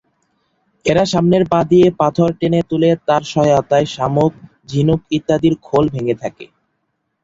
এরা সামনের পা দিয়ে পাথর টেনে তুলে তার সহায়তায় শামুক, ঝিনুক ইত্যাদির খোল ভেঙ্গে থাকে।